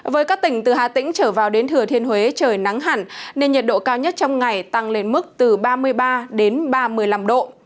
với các tỉnh từ hà tĩnh trở vào đến thừa thiên huế trời nắng hẳn nên nhiệt độ cao nhất trong ngày tăng lên mức từ ba mươi ba đến ba mươi năm độ